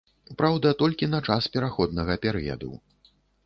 Праўда, толькі на час пераходнага перыяду.